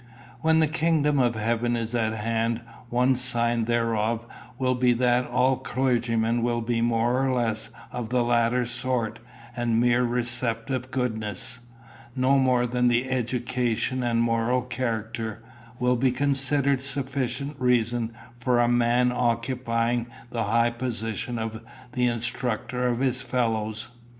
When the kingdom of heaven is at hand, one sign thereof will be that all clergymen will be more or less of the latter sort, and mere receptive goodness, no more than education and moral character, will be considered sufficient reason for a man's occupying the high position of an instructor of his fellows.